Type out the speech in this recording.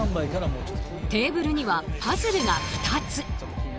テーブルにはパズルが２つ。